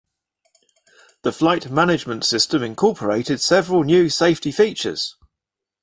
The flight management system incorporated several new safety features.